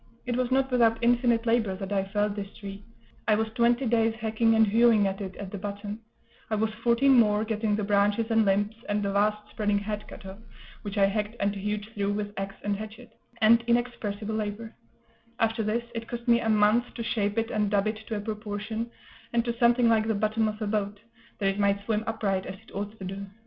It was not without infinite labor that I felled this tree; I was twenty days hacking and hewing at it at the bottom; I was fourteen more getting the branches and limbs and the vast spreading head cut off, which I hacked and hewed through with axe and hatchet, and inexpressible labor; after this, it cost me a month to shape it and dub it to a proportion, and to something like the bottom of a boat, that it might swim upright as it ought to do.